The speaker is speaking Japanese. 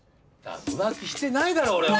浮気してないだろう俺は！